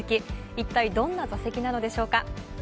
一体どんな座席なのでしょうか。